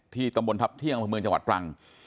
ที่ตำบลทัพเที่ยงภพมือจังหวัดปลัง